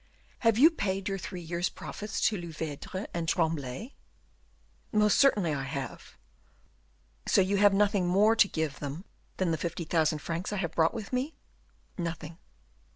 Have you paid your three years' profits to Louvidre and Tremblay?" "Most certainly I have." "So that you have nothing more to give them than the fifty thousand francs I have brought with me?" "Nothing."